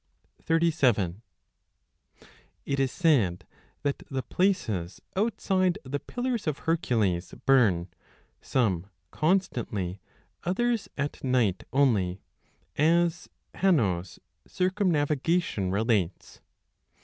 37 It is said that the places outside the Pillars of Hercules 10 burn, some constantly, others at night only, as Hanno s Circumnavigation relates.